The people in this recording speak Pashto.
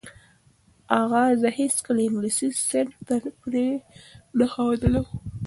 اغا زه هیڅکله انګلیسي صنف ته پرې نه ښودلم.